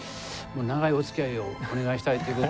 長いおつきあいをお願いしたいっていうこと。